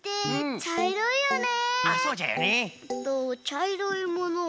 ちゃいろいもの。